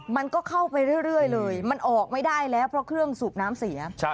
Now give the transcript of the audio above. มันก็เข้าไปเรื่อยเลยมันออกไม่ได้แล้วเพราะเครื่องสูบน้ำเสีย